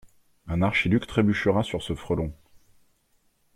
Un archiduc trébuchera sur ce frelon.